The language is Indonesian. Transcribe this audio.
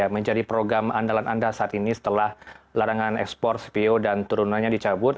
menjadi program andalan anda saat ini setelah larangan ekspor cpo dan turunannya dicabut